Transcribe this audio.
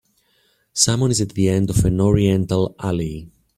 Someone is at the end of an oriental alley.